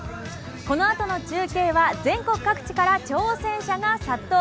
このあとの中継は、全国各地から挑戦者が殺到。